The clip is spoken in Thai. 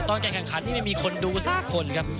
ตอนการคันนี่ไม่มีคนดูสักคนครับ